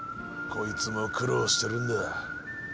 こいつも苦労してるんだ。